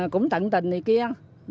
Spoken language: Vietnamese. cũng tận tình này kia